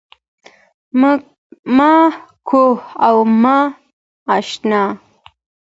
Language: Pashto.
مـــــه كـــــوه او مـــه اشـــنـــا